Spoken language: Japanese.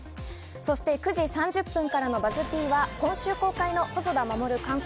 そして９時３０分からのＢＵＺＺ−Ｐでは今週公開の細田守監督